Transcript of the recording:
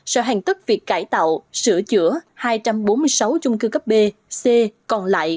sẽ hoàn tất việc cải tạo sửa chữa hai trăm bốn mươi sáu chung cư cấp b c còn lại